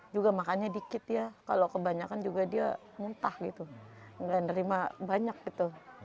juga makannya dikit ya kalau kebanyakan juga dia muntah gitu nggak nerima banyak gitu